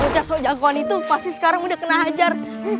ya sok jagoan itu pasti sekarang udah kena hajar